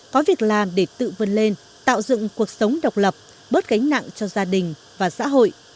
có việc làm để tự vươn lên tạo dựng cuộc sống độc lập bớt gánh nặng cho gia đình và xã hội